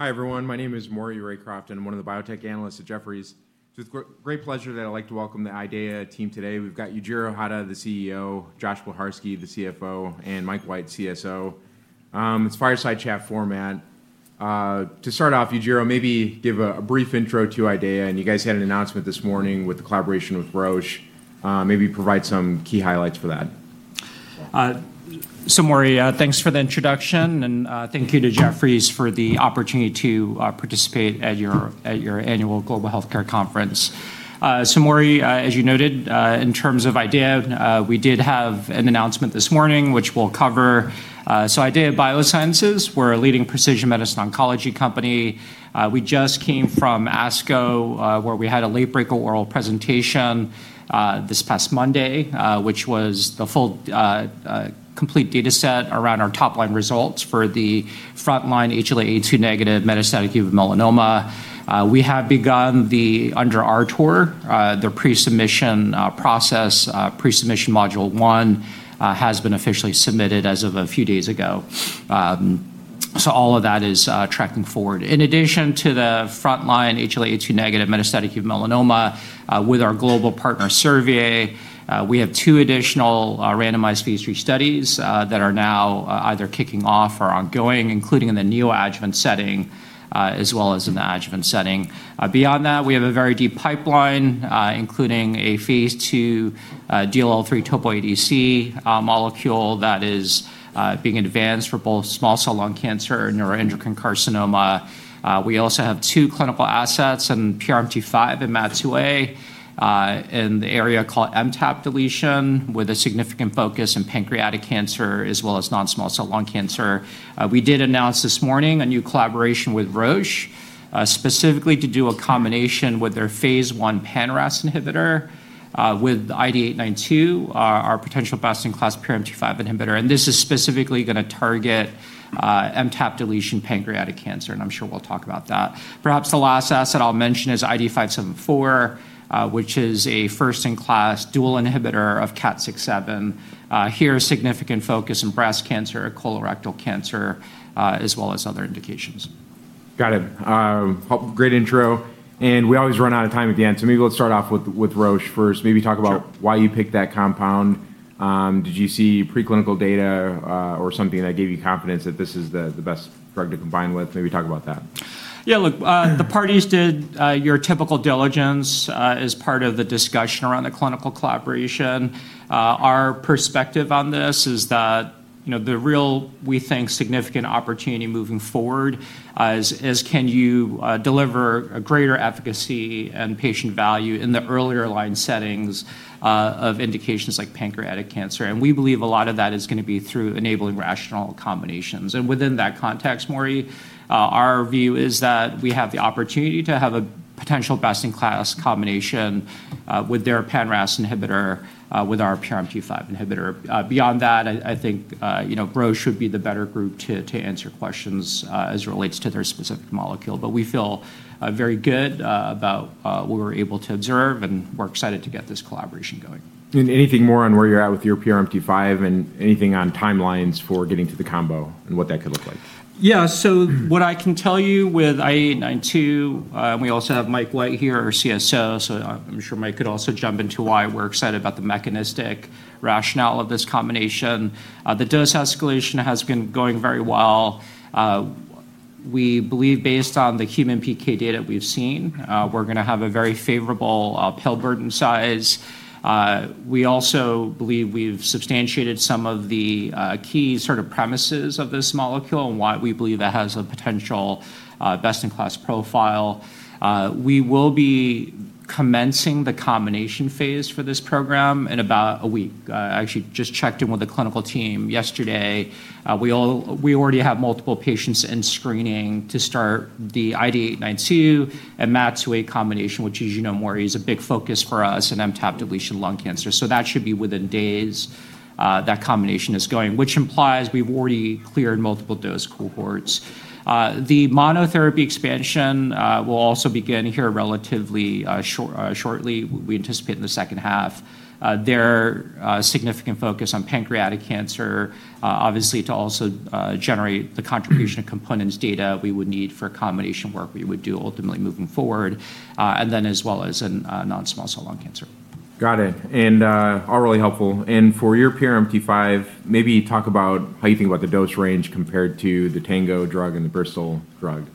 Hi, everyone. My name is Maury Raycroft, and I'm one of the biotech analysts at Jefferies. It's with great pleasure that I'd like to welcome the IDEAYA team today. We've got Yujiro Hata, the CEO, Josh Bleharski, the CFO, and Mike White, CSO. It's a fireside chat format. To start off, Yujiro, maybe give a brief intro to IDEAYA. You guys had an announcement this morning with the collaboration with Roche, maybe provide some key highlights for that. Maury, thanks for the introduction, and thank you to Jefferies for the opportunity to participate at your annual Global Healthcare Conference. Maury, as you noted, in terms of IDEAYA, we did have an announcement this morning, which we'll cover. IDEAYA Biosciences, we're a leading precision medicine oncology company. We just came from ASCO, where we had a late-breaker oral presentation this past Monday, which was the complete data set around our top-line results for the frontline HLA-A*02-negative metastatic uveal melanoma. We have begun the under RTOR, the pre-submission process. Pre-submission module 1 has been officially submitted as of a few days ago. All of that is tracking forward. In addition to the frontline HLA-A*02-negative metastatic uveal melanoma, with our global partner Servier, we have two additional randomized phase III studies that are now either kicking off or ongoing, including in the neoadjuvant setting, as well as in the adjuvant setting. Beyond that, we have a very deep pipeline, including a phase II DLL3 Topo1 ADC molecule that is being advanced for both small cell lung cancer and neuroendocrine carcinoma. We also have two clinical assets in PRMT5 and MAT2A in the area called MTAP deletion, with a significant focus on pancreatic cancer, as well as non-small cell lung cancer. We did announce this morning a new collaboration with Roche, specifically to do a combination with their phase I pan-RAS inhibitor with IDE892, our potential best-in-class PRMT5 inhibitor. This is specifically going to target MTAP deletion pancreatic cancer. I'm sure we'll talk about that. Perhaps the last asset I'll mention is IDE574, which is a first-in-class dual inhibitor of KAT6/7. Here, significant focus in breast cancer, colorectal cancer, as well as other indications. Got it. Great intro. We always run out of time again, so maybe let's start off with Roche first. Maybe talk about why you picked that compound. Did you see pre-clinical data or something that gave you confidence that this is the best drug to combine with? Maybe talk about that. Yeah, look, the parties did your typical diligence as part of the discussion around the clinical collaboration. Our perspective on this is that the real, we think, significant opportunity moving forward is can you deliver a greater efficacy and patient value in the earlier line settings of indications like pancreatic cancer? We believe a lot of that is going to be through enabling rational combinations. Within that context, Maury, our view is that we have the opportunity to have a potential best-in-class combination with their pan-RAS inhibitor, with our PRMT5 inhibitor. Beyond that, I think Roche would be the better group to answer questions as it relates to their specific molecule. We feel very good about what we were able to observe, and we're excited to get this collaboration going. Anything more on where you're at with your PRMT5 and anything on timelines for getting to the combo and what that could look like? Yeah. What I can tell you with IDE892, and we also have Mike White here, our CSO, so I'm sure Mike could also jump into why we're excited about the mechanistic rationale of this combination. The dose escalation has been going very well. We believe based on the human PK data we've seen, we're going to have a very favorable pill burden size. We also believe we've substantiated some of the key premises of this molecule and why we believe it has a potential best-in-class profile. We will be commencing the combination phase for this program in about a week. I actually just checked in with the clinical team yesterday. We already have multiple patients in screening to start the IDE892 and MAT2A combination, which as you know, Maury, is a big focus for us in MTAP deletion lung cancer. That should be within days that combination is going, which implies we've already cleared multiple dose cohorts. The monotherapy expansion will also begin here relatively shortly, we anticipate in the second half. Their significant focus on pancreatic cancer, obviously, to also generate the contribution components data we would need for combination work we would do ultimately moving forward, and then as well as in non-small cell lung cancer. Got it. All really helpful. For your PRMT5, maybe talk about how you think about the dose range compared to the Tango drug and the Bristol drug.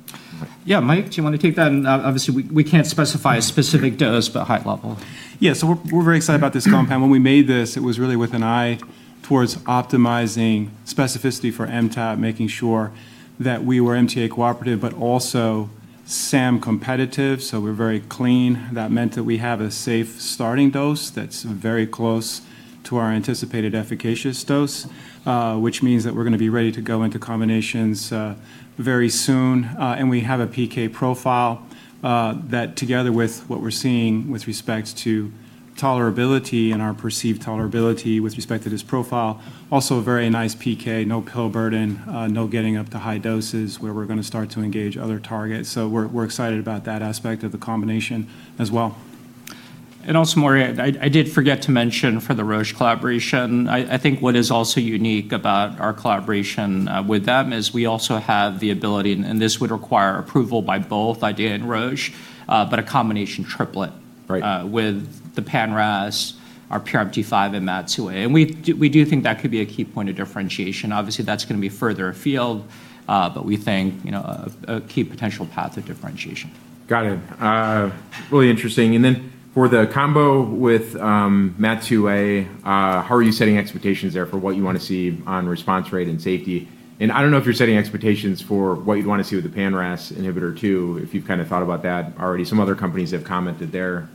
Yeah, Mike, do you want to take that? obviously, we can't specify a specific dose, but high level. Yes. We're very excited about this compound. When we made this, it was really with an eye towards optimizing specificity for MTAP, making sure that we were MTA-cooperative, but also SAM-competitive, so we're very clean. That meant that we have a safe starting dose that's very close to our anticipated efficacious dose, which means that we're going to be ready to go into combinations very soon. We have a PK profile, that together with what we're seeing with respect to tolerability and our perceived tolerability with respect to this profile, also a very nice PK, no pill burden, no getting up to high doses where we're going to start to engage other targets. We're excited about that aspect of the combination as well. Also, Maury, I did forget to mention for the Roche collaboration, I think what is also unique about our collaboration with them is we also have the ability, and this would require approval by both IDEAYA and Roche, but a combination triplet- Right. With the pan-RAS, our PRMT5, and MAT2A. We do think that could be a key point of differentiation. Obviously, that's going to be further afield, but we think, a key potential path of differentiation. Got it. Really interesting. For the combo with MAT2A, how are you setting expectations there for what you want to see on response rate and safety? I don't know if you're setting expectations for what you'd want to see with the pan-RAS inhibitor, too, if you've thought about that already. Some other companies have commented their.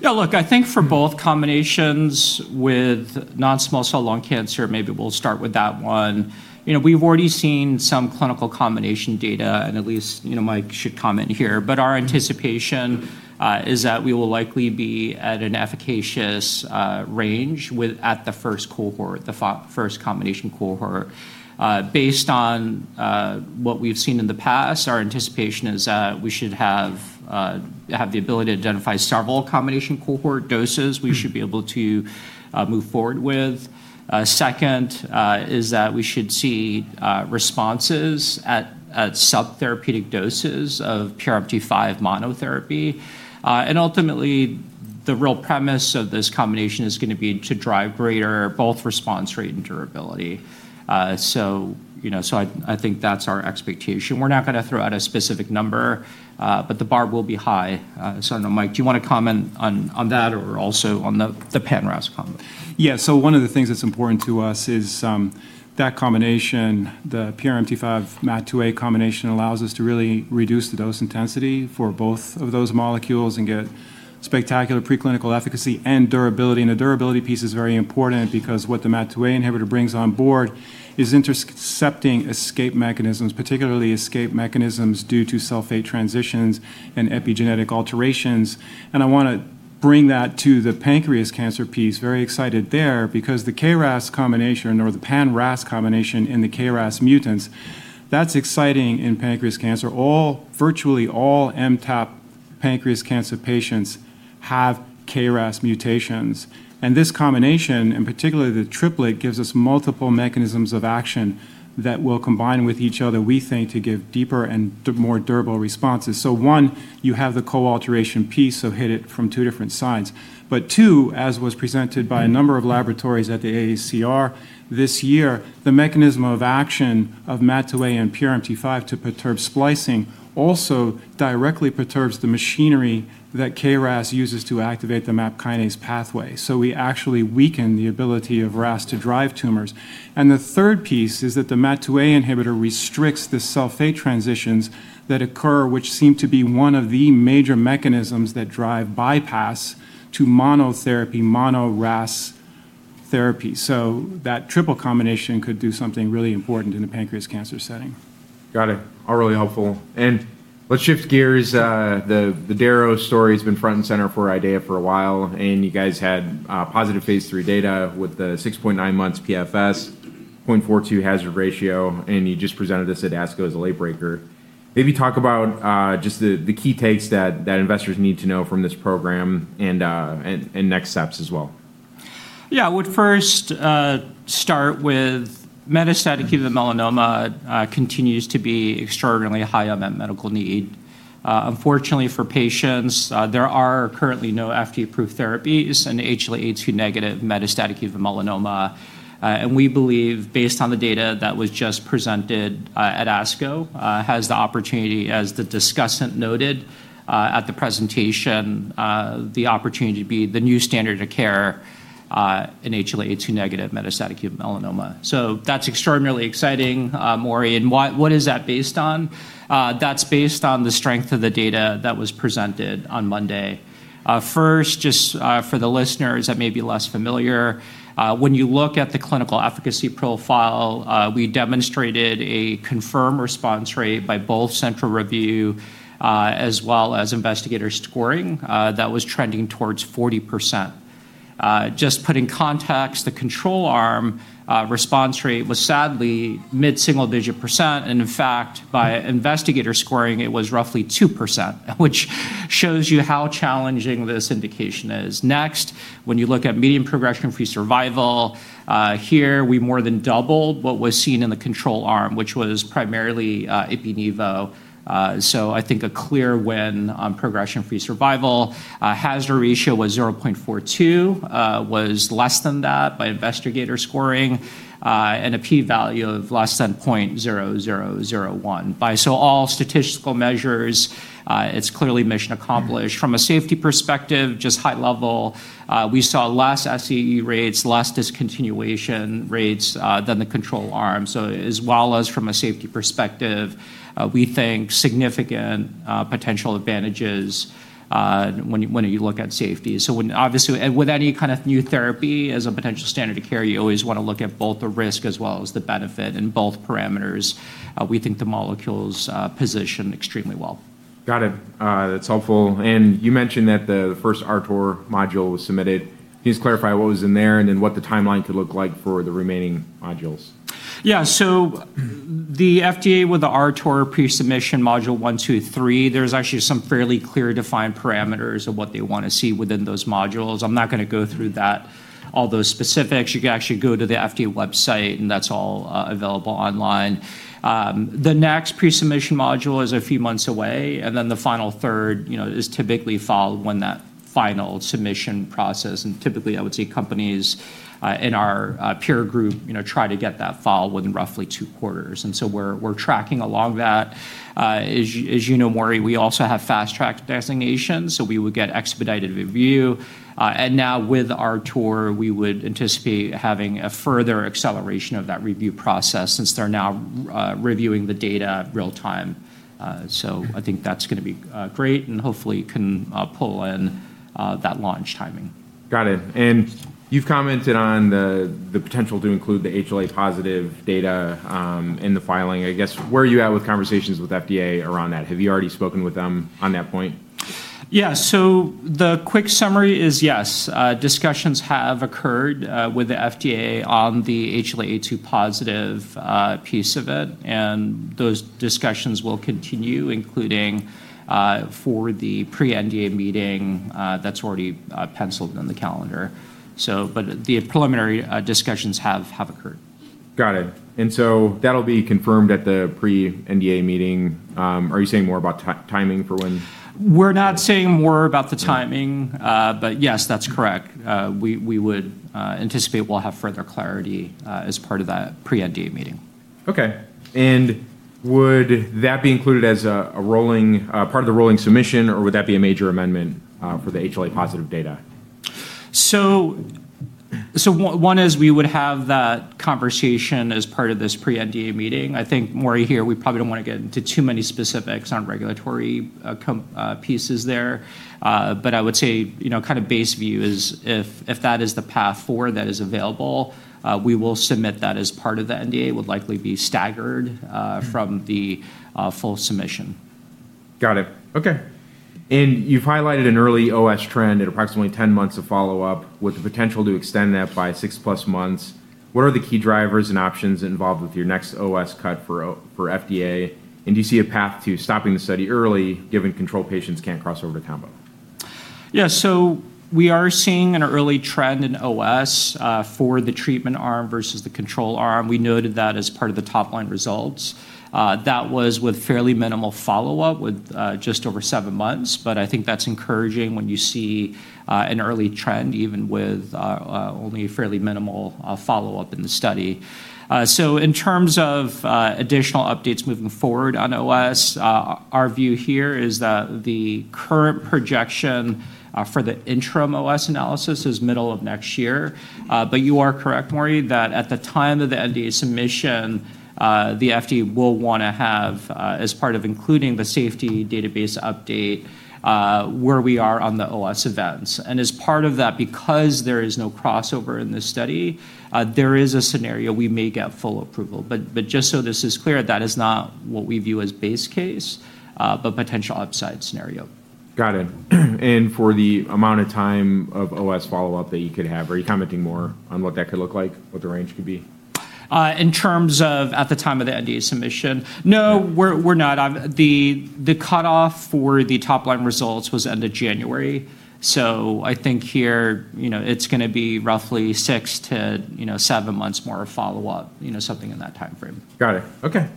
Yeah, look, I think for both combinations with non-small cell lung cancer, maybe we'll start with that one. We've already seen some clinical combination data and at least Mike should comment here, but our anticipation is that we will likely be at an efficacious range at the first cohort, the first combination cohort. Based on what we've seen in the past, our anticipation is that we should have the ability to identify several combination cohort doses we should be able to move forward with. Second is that we should see responses at subtherapeutic doses of PRMT5 monotherapy. Ultimately, the real premise of this combination is going to be to drive greater both response rate and durability. I think that's our expectation. We're not going to throw out a specific number, but the bar will be high. I don't know, Mike, do you want to comment on that or also on the pan-RAS combo? Yes. One of the things that's important to us is that combination, the PRMT5, MAT2A combination allows us to really reduce the dose intensity for both of those molecules and get spectacular preclinical efficacy and durability. The durability piece is very important because what the MAT2A inhibitor brings on board is intercepting escape mechanisms, particularly escape mechanisms due to cell state transitions and epigenetic alterations. I want to bring that to the pancreas cancer piece, very excited there because the KRAS combination or the pan-RAS combination in the KRAS mutants, that's exciting in pancreas cancer. Virtually all MTAP pancreas cancer patients have KRAS mutations, and this combination, and particularly the triplet, gives us multiple mechanisms of action that will combine with each other, we think, to give deeper and more durable responses. One, you have the co-alteration piece, so hit it from two different sides. Two, as was presented by a number of laboratories at the AACR this year, the mechanism of action of MAT2A and PRMT5 to perturb splicing also directly perturbs the machinery that KRAS uses to activate the MAP kinase pathway. We actually weaken the ability of RAS to drive tumors. The third piece is that the MAT2A inhibitor restricts the cell state transitions that occur, which seem to be one of the major mechanisms that drive bypass to monotherapy, mono RAS therapy. That triple combination could do something really important in the pancreatic cancer setting. Got it. All really helpful. Let's shift gears. The darovasertib story has been front and center for IDEAYA for a while, and you guys had positive phase III data with the 6.9 months PFS, 0.42 hazard ratio, and you just presented this at ASCO as a late breaker. Maybe talk about just the key takes that investors need to know from this program and next steps as well. Yeah. I would first start with metastatic melanoma continues to be extraordinarily high unmet medical need. Unfortunately for patients, there are currently no FDA-approved therapies in HLA-A2 negative metastatic uveal melanoma. We believe based on the data that was just presented at ASCO, has the opportunity, as the discussant noted at the presentation, the opportunity to be the new standard of care in HLA-A2 negative metastatic uveal melanoma. That's extraordinarily exciting, Maury. What is that based on? That's based on the strength of the data that was presented on Monday. First, just for the listeners that may be less familiar, when you look at the clinical efficacy profile, we demonstrated a confirmed response rate by both central review, as well as investigator scoring, that was trending towards 40%. Just put in context, the control arm response rate was sadly mid-single digit percent, and in fact, by investigator scoring, it was roughly 2%, which shows you how challenging this indication is. Next, when you look at median progression-free survival, here we more than doubled what was seen in the control arm, which was primarily ipilimumab. I think a clear win on progression-free survival. Hazard ratio was 0.42, was less than that by investigator scoring, and a P value of less than 0.0001. All statistical measures, it's clearly mission accomplished. From a safety perspective, just high level, we saw less SAE rates, less discontinuation rates than the control arm. As well as from a safety perspective, we think significant potential advantages when you look at safety. Obviously, with any kind of new therapy as a potential standard of care, you always want to look at both the risk as well as the benefit in both parameters. We think the molecule's positioned extremely well. Got it. That's helpful. You mentioned that the first RTOR module was submitted. Can you just clarify what was in there and then what the timeline could look like for the remaining modules? Yeah. The FDA with the R-TOR pre-submission module one, two, three, there's actually some fairly clear defined parameters of what they want to see within those modules. I'm not going to go through all those specifics. You can actually go to the FDA website, that's all available online. The next pre-submission module is a few months away, the final third is typically filed when that final submission process, typically, I would say companies in our peer group try to get that filed within roughly two quarters. We're tracking along that. As you know, Maury, we also have fast track designation, we would get expedited review. Now with R-TOR, we would anticipate having a further acceleration of that review process since they're now reviewing the data real time. I think that's going to be great, and hopefully can pull in that launch timing. Got it. You've commented on the potential to include the HLA positive data in the filing. I guess, where are you at with conversations with FDA around that? Have you already spoken with them on that point? Yeah. The quick summary is yes, discussions have occurred with the FDA on the HLA-A2 positive piece of it, and those discussions will continue, including for the pre-NDA meeting that's already penciled in the calendar. The preliminary discussions have occurred. Got it. That'll be confirmed at the pre-NDA meeting. Are you saying more about timing for when? We're not saying more about the timing, but yes, that's correct. We would anticipate we'll have further clarity as part of that pre-NDA meeting. Okay. Would that be included as part of the rolling submission, or would that be a major amendment for the HLA positive data? One is we would have that conversation as part of this pre-NDA meeting. I think, Maury, here, we probably don't want to get into too many specifics on regulatory pieces there. I would say base view is if that is the path forward that is available, we will submit that as part of the NDA, would likely be staggered from the full submission. Got it. Okay. You've highlighted an early OS trend at approximately 10 months of follow-up with the potential to extend that by six plus months. What are the key drivers and options involved with your next OS cut for FDA? Do you see a path to stopping the study early given control patients can't cross over to combo? Yeah. We are seeing an early trend in OS for the treatment arm versus the control arm. We noted that as part of the top-line results. That was with fairly minimal follow-up with just over seven months, but I think that's encouraging when you see an early trend, even with only fairly minimal follow-up in the study. In terms of additional updates moving forward on OS, our view here is that the current projection for the interim OS analysis is middle of next year. You are correct, Maury, that at the time of the NDA submission, the FDA will want to have as part of including the safety database update, where we are on the OS events. As part of that, because there is no crossover in this study, there is a scenario we may get full approval. Just so this is clear, that is not what we view as base case, but potential upside scenario. Got it. For the amount of time of OS follow-up that you could have, are you commenting more on what that could look like, what the range could be? In terms of at the time of the NDA submission? No, we're not. The cutoff for the top-line results was end of January. I think here it's going to be roughly six to seven months more of follow-up, something in that timeframe. Got it.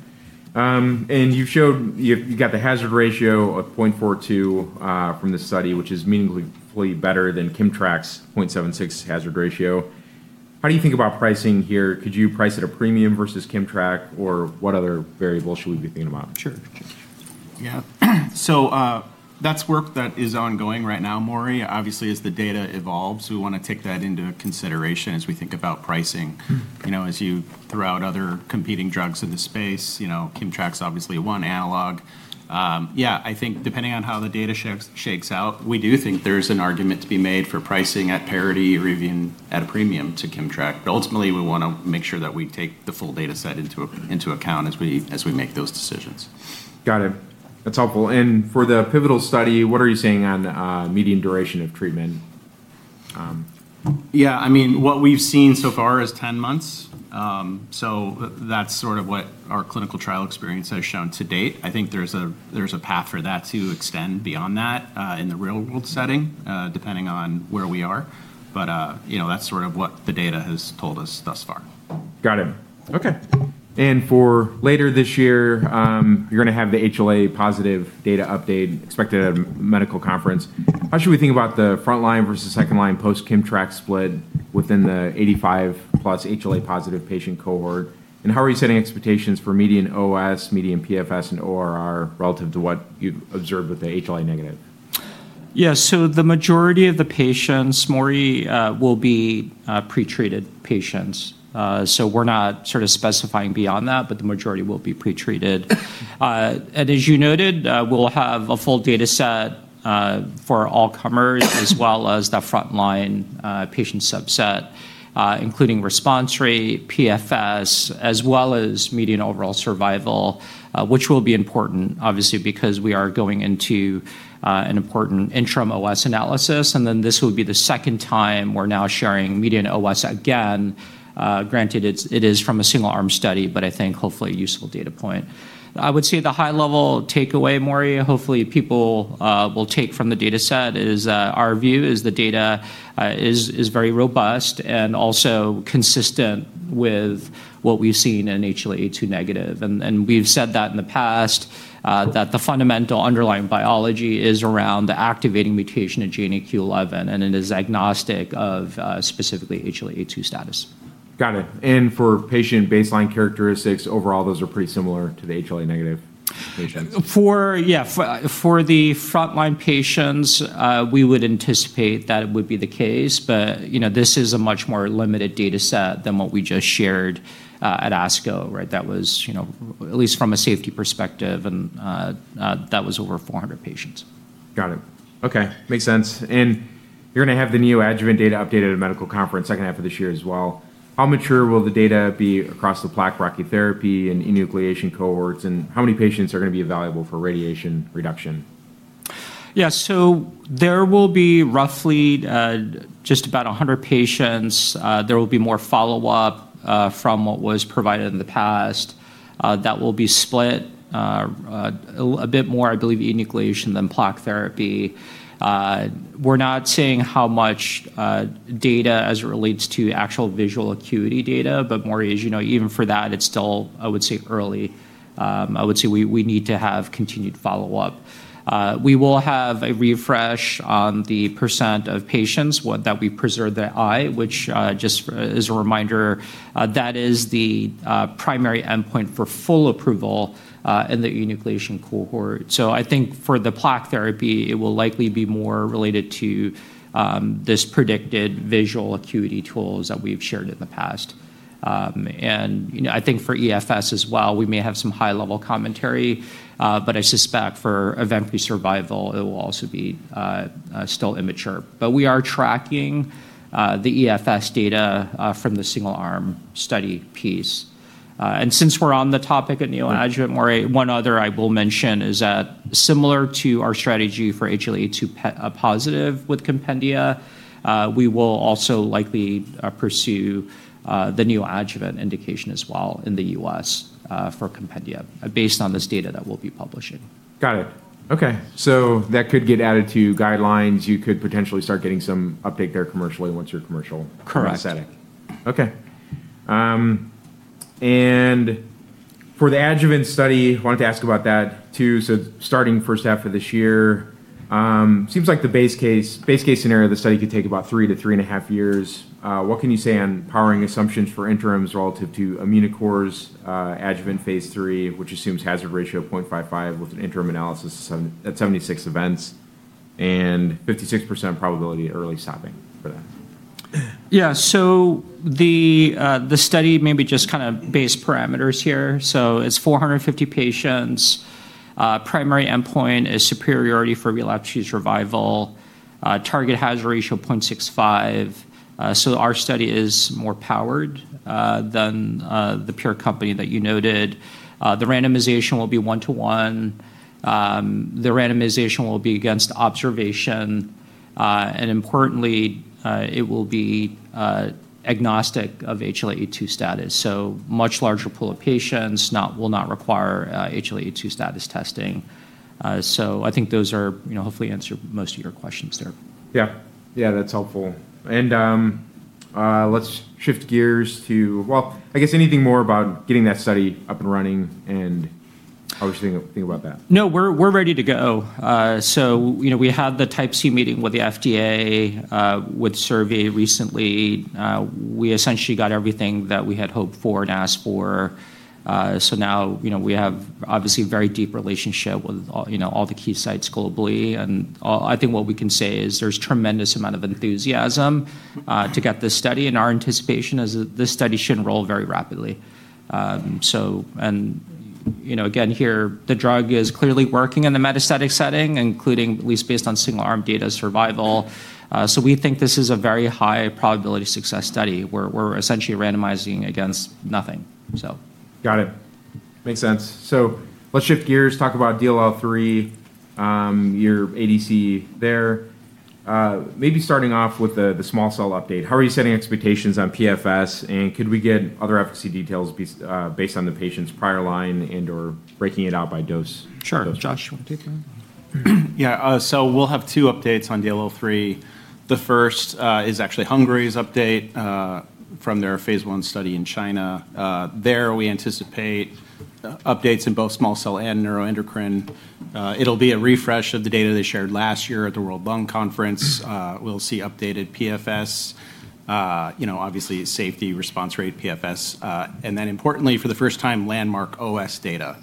Okay. You've got the hazard ratio of 0.42 from the study, which is meaningfully better than Kimmtrak's 0.76 hazard ratio. How do you think about pricing here? Could you price at a premium versus Kimmtrak, or what other variables should we be thinking about? Sure. Yeah. That's work that is ongoing right now, Maury. Obviously, as the data evolves, we want to take that into consideration as we think about pricing. As you threw out other competing drugs in the space, Kimmtrak's obviously one analog. Yeah, I think depending on how the data shakes out, we do think there's an argument to be made for pricing at parity or even at a premium to Kimmtrak. Ultimately, we want to make sure that we take the full data set into account as we make those decisions. Got it. That's helpful. For the pivotal study, what are you seeing on median duration of treatment? Yeah. What we've seen so far is 10 months. That's sort of what our clinical trial experience has shown to date. I think there's a path for that to extend beyond that in the real-world setting, depending on where we are. That's sort of what the data has told us thus far. Got it. Okay. For later this year, you're going to have the HLA positive data update, expected medical conference. How should we think about the front-line versus second-line post Kimmtrak's split within the 85-plus HLA positive patient cohort? How are you setting expectations for median OS, median PFS, and ORR relative to what you observed with the HLA negative? Yeah. The majority of the patients, Maury, will be pre-treated patients. We're not sort of specifying beyond that, but the majority will be pre-treated. As you noted, we'll have a full data set for all comers, as well as the frontline patient subset, including response rate, PFS, as well as median overall survival, which will be important obviously, because we are going into an important interim OS analysis, and then this will be the second time we're now sharing median OS again. Granted, it is from a single-arm study, but I think hopefully a useful data point. I would say the high level takeaway, Maury, hopefully people will take from the data set is our view is the data is very robust and also consistent with what we've seen in HLA-A2 negative. We've said that in the past, that the fundamental underlying biology is around the activating mutation in GNAQ/11, and it is agnostic of specifically HLA-A2 status. Got it. For patient baseline characteristics, overall, those are pretty similar to the HLA negative patients? Yeah. For the frontline patients, we would anticipate that it would be the case. This is a much more limited data set than what we just shared at ASCO. That was at least from a safety perspective, and that was over 400 patients. Got it. Okay, makes sense. You're going to have the neoadjuvant data updated at medical conference second half of this year as well. How mature will the data be across the plaque brachytherapy and enucleation cohorts, and how many patients are going to be available for radiation reduction? There will be roughly just about 100 patients. There will be more follow-up from what was provided in the past. That will be split a bit more, I believe, enucleation than plaque therapy. We're not seeing how much data as it relates to actual visual acuity data, Maury, as you know, even for that, it's still, I would say, early. I would say we need to have continued follow-up. We will have a refresh on the percent of patients that we preserve the eye, which just as a reminder, that is the primary endpoint for full approval in the enucleation cohort. I think for the plaque therapy, it will likely be more related to these predicted visual acuity tools that we've shared in the past. I think for EFS as well, we may have some high-level commentary, but I suspect for event-free survival, it will also be still immature. We are tracking the EFS data from the single arm study piece. Since we're on the topic of neoadjuvant, Maury, one other I will mention is that similar to our strategy for HLA-A2 positive with compendia, we'll also likely pursue the neoadjuvant indication as well in the US for compendia based on this data that we'll be publishing. Got it. Okay. That could get added to guidelines. You could potentially start getting some update there commercially once you're commercial- Correct. Setting. Okay. For the adjuvant study, wanted to ask about that too. Starting first half of this year, seems like the base case scenario of the study could take about three to three and a half years. What can you say on powering assumptions for interims relative to Immunocore's adjuvant phase III, which assumes hazard ratio of 0.55 with an interim analysis at 76 events and 56% probability of early stopping for that? Yeah. The study maybe just kind of base parameters here. It's 450 patients. Primary endpoint is superiority for relapse survival. Target hazard ratio 0.65. Our study is more powered than the peer company that you noted. The randomization will be 1:1. The randomization will be against observation. Importantly, it will be agnostic of HLA-A2 status. Much larger pool of patients, will not require HLA-A2 status testing. I think those hopefully answer most of your questions there. Yeah. That's helpful. Let's shift gears to, well, I guess anything more about getting that study up and running and how we should think about that? No, we're ready to go. We had the Type C meeting with the FDA, with Servier recently. We essentially got everything that we had hoped for and asked for. Now we have obviously a very deep relationship with all the key sites globally. I think what we can say is there's tremendous amount of enthusiasm to get this study, and our anticipation is that this study should enroll very rapidly. Again, here, the drug is clearly working in the metastatic setting, including at least based on single-arm data survival. We think this is a very high probability of success study. We're essentially randomizing against nothing. Got it. Makes sense. Let's shift gears, talk about DLL3, your ADC there. Maybe starting off with the small cell update. How are you setting expectations on PFS, and could we get other efficacy details based on the patient's prior line and/or breaking it out by dose? Sure. Josh, do you want to take that one? Yeah. We'll have two updates on DLL3. The first is actually Hengrui's update from their phase I study in China. There, we anticipate updates in both small cell and neuroendocrine. It'll be a refresh of the data they shared last year at the World Conference on Lung Cancer. We'll see updated PFS, obviously safety response rate PFS, importantly, for the first time, landmark OS data.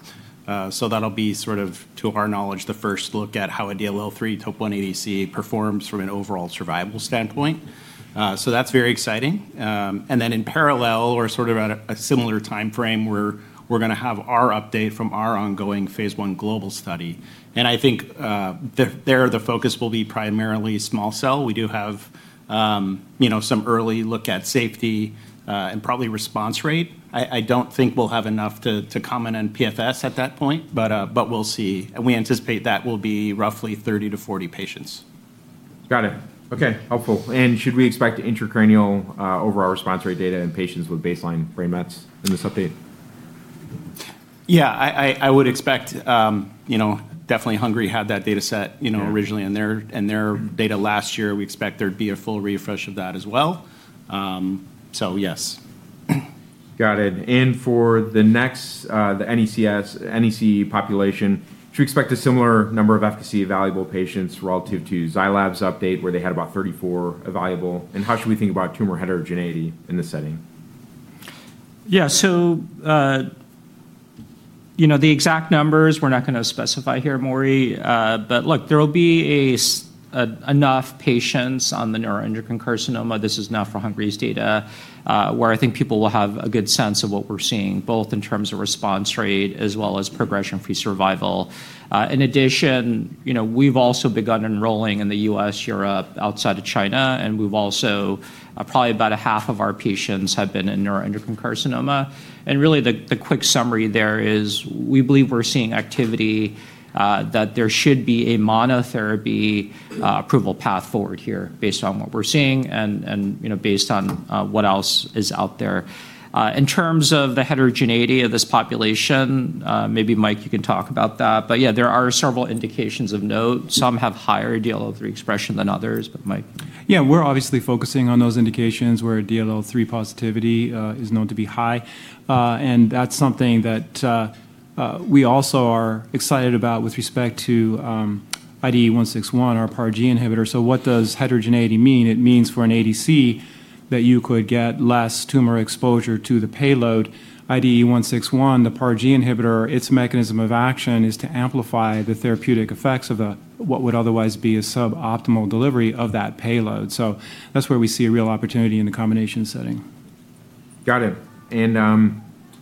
That'll be sort of, to our knowledge, the first look at how a DLL3 TOP1 ADC performs from an overall survival standpoint. That's very exciting. In parallel or sort of at a similar timeframe, we're going to have our update from our ongoing phase I global study. I think there, the focus will be primarily small cell. We do have some early look at safety and probably response rate. I don't think we'll have enough to comment on PFS at that point, but we'll see. We anticipate that will be roughly 30-40 patients. Got it. Okay. Helpful. Should we expect intracranial overall response rate data in patients with baseline brain mets in this update? Yeah, I would expect, definitely Hengrui had that data set originally in their data last year. We expect there'd be a full refresh of that as well. Yes. Got it. For the next, the NEC population, should we expect a similar number of efficacy evaluable patients relative to Zai Lab's update where they had about 34 evaluable? How should we think about tumor heterogeneity in this setting? Yeah. The exact numbers we're not going to specify here, Maury. Look, there will be enough patients on the neuroendocrine carcinoma, this is now for Hengrui's data, where I think people will have a good sense of what we're seeing, both in terms of response rate as well as progression-free survival. In addition, we've also begun enrolling in the U.S., Europe, outside of China, and probably about a half of our patients have been in neuroendocrine carcinoma. Really, the quick summary there is we believe we're seeing activity that there should be a monotherapy approval path forward here based on what we're seeing and based on what else is out there. In terms of the heterogeneity of this population, maybe Mike, you can talk about that. Yeah, there are several indications of note. Some have higher DLL3 expression than others, Mike. Yeah, we're obviously focusing on those indications where DLL3 positivity is known to be high. That's something that we also are excited about with respect to IDE161, our PARG inhibitor. What does heterogeneity mean? It means for an ADC that you could get less tumor exposure to the payload. IDE161, the PARG inhibitor, its mechanism of action is to amplify the therapeutic effects of what would otherwise be a suboptimal delivery of that payload. That's where we see a real opportunity in the combination setting. Got it.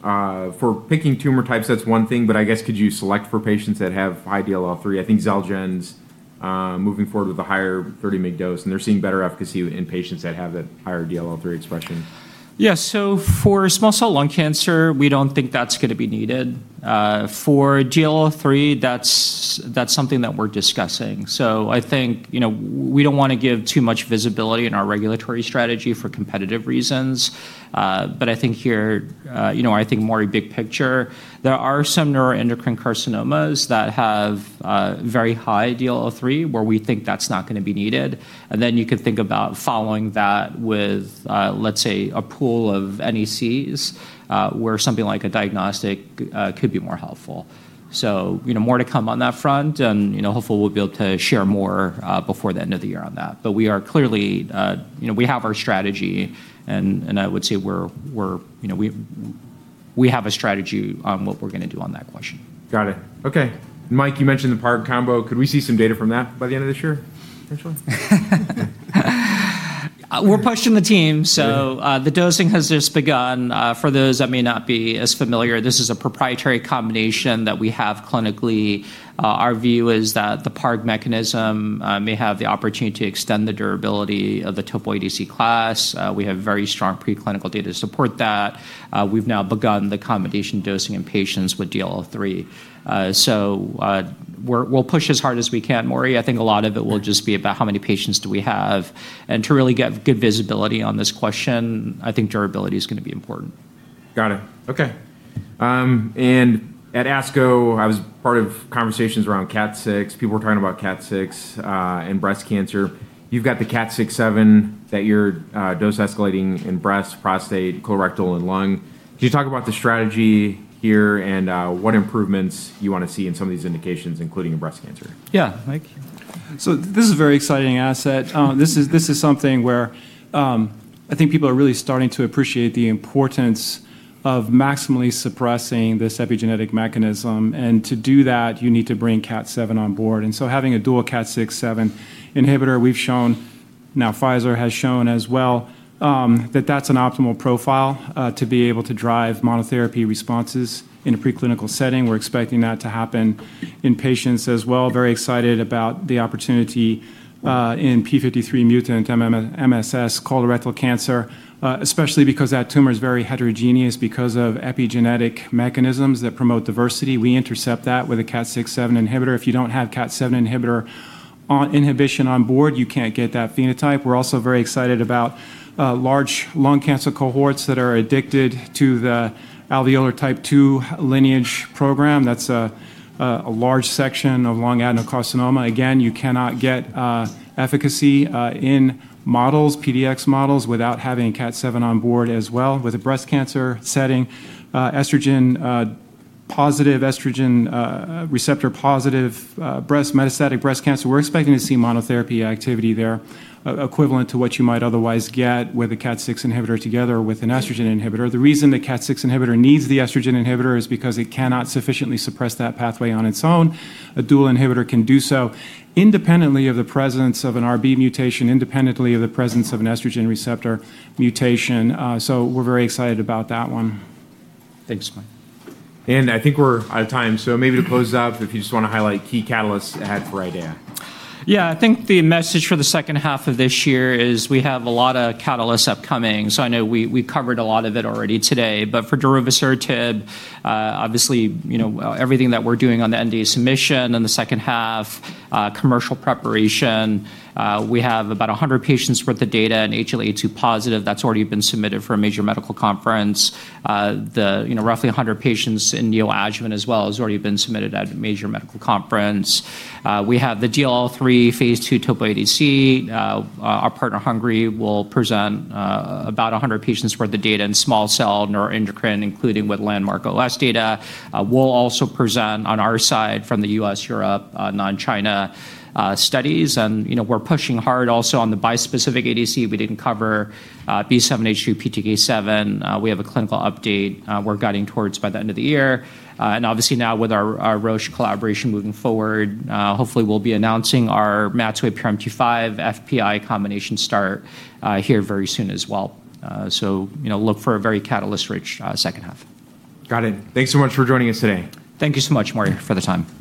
For picking tumor types, that's one thing, I guess, could you select for patients that have high DLL3? I think Zelgen's moving forward with a higher 30 mg dose, and they're seeing better efficacy in patients that have that higher DLL3 expression. Yeah. For small cell lung cancer, we don't think that's going to be needed. For DLL3, that's something that we're discussing. I think we don't want to give too much visibility in our regulatory strategy for competitive reasons. I think here, I think more a big picture, there are some neuroendocrine carcinomas that have very high DLL3, where we think that's not going to be needed. And then you could think about following that with, let's say, a pool of NECs, where something like a diagnostic could be more helpful. More to come on that front, and hopefully we'll be able to share more before the end of the year on that. We have our strategy, and I would say we have a strategy on what we're going to do on that question. Got it. Okay. Mike, you mentioned the PARG combo. Could we see some data from that by the end of this year potentially? We're pushing the team. The dosing has just begun. For those that may not be as familiar, this is a proprietary combination that we have clinically. Our view is that the PARG mechanism may have the opportunity to extend the durability of the TOP1 ADC class. We have very strong preclinical data to support that. We've now begun the combination dosing in patients with DLL3. We'll push as hard as we can, Maury. I think a lot of it will just be about how many patients do we have. To really get good visibility on this question, I think durability is going to be important. Got it. Okay. At ASCO, I was part of conversations around KAT6. People were talking about KAT6 and breast cancer. You've got the KAT6, 7 that you're dose escalating in breast, prostate, colorectal, and lung. Could you talk about the strategy here and what improvements you want to see in some of these indications, including in breast cancer? Yeah, Mike. This is a very exciting asset. This is something where I think people are really starting to appreciate the importance of maximally suppressing this epigenetic mechanism. To do that, you need to bring KAT7 on board. Having a dual KAT6, 7 inhibitor, we've shown, now Pfizer has shown as well, that that's an optimal profile to be able to drive monotherapy responses in a preclinical setting. We're expecting that to happen in patients as well. Very excited about the opportunity in P53 mutant, MSS colorectal cancer, especially because that tumor is very heterogeneous because of epigenetic mechanisms that promote diversity. We intercept that with a KAT6, 7 inhibitor. If you don't have KAT7 inhibitor, inhibition on board, you can't get that phenotype. We're also very excited about large lung cancer cohorts that are addicted to the alveolar type II lineage program. That's a large section of lung adenocarcinoma. Again, you cannot get efficacy in models, PDX models, without having a KAT7 on board as well. With a breast cancer setting, estrogen positive, estrogen receptor positive metastatic breast cancer, we're expecting to see monotherapy activity there equivalent to what you might otherwise get with a KAT6 inhibitor together with an estrogen inhibitor. The reason the KAT6 inhibitor needs the estrogen inhibitor is because it cannot sufficiently suppress that pathway on its own. A dual inhibitor can do so independently of the presence of an RB1 mutation, independently of the presence of an estrogen receptor mutation. We're very excited about that one. Thanks, Mike. Thanks. I think we're out of time, so maybe to close out, if you just want to highlight key catalysts ahead for IDEAYA. I think the message for the second half of this year is we have a lot of catalysts upcoming. I know we covered a lot of it already today, but for darovasertib, obviously, everything that we're doing on the NDA submission in the second half, commercial preparation. We have about 100 patients worth of data in HLA-A2 positive that's already been submitted for a major medical conference. Roughly 100 patients in neoadjuvant as well has already been submitted at a major medical conference. We have the DLL3 phase II Topo1 ADC. Our partner in Hengrui will present about 100 patients worth of data in small cell neuroendocrine, including with landmark OS data. We'll also present on our side from the U.S., Europe, non-China studies, and we're pushing hard also on the bispecific ADC. We didn't cover B7-H3/PTK7. We have a clinical update we're guiding towards by the end of the year. Obviously now with our Roche collaboration moving forward, hopefully we'll be announcing our MAT2A/PRMT5 FPI combination start here very soon as well. Look for a very catalyst-rich second half. Got it. Thanks so much for joining us today. Thank you so much, Maury, for the time.